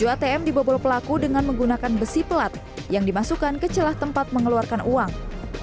dua atm dibobol pelaku dengan menggunakan besi pelat yang dimasukkan ke celah tempat mengeluarkan uang